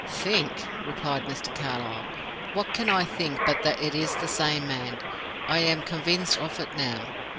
"Think?" replied Mr. Carlyle. "What can I think but that it is the same man. I am convinced of it now."